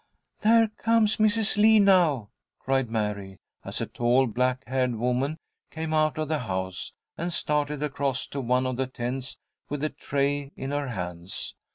"There comes Mrs. Lee now," cried Mary, as a tall, black haired woman came out of the house, and started across to one of the tents with a tray in her hands.